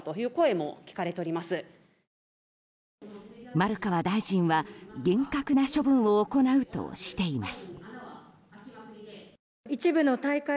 丸川大臣は厳格な処分を行うとしています。